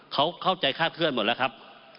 เขาเข้าใจคาดเคลื่อนหมดแล้วครับ